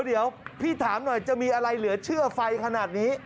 เดี๋ยวพี่ถามหน่อยจะมีอะไรเหลือเชื่อไฟขนาดนี้